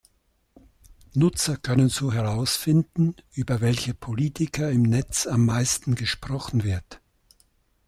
Nutzer können so herausfinden über welche Politiker im Netz am meisten gesprochen wird.